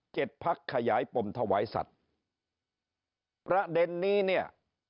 พักขยายปมถวายสัตว์ประเด็นนี้เนี่ย